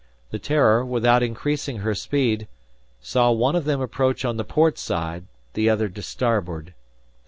The "Terror," without increasing her speed, saw one of them approach on the port side, the other to starboard.